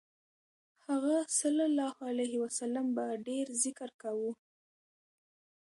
هغه ﷺ به ډېر ذکر کاوه.